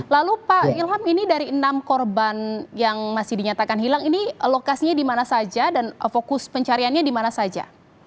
lalu pak ilham ini dari enam korban yang masih dinyatakan hilang ini lokasinya di mana saja dan fokus pencariannya di mana saja